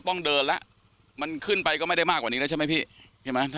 ต้องเดินแล้วมันขึ้นไปก็ไม่ได้มากกว่านี้แล้วใช่ไหมพี่ใช่ไหม